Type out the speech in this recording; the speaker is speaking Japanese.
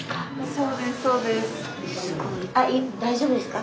大丈夫ですか？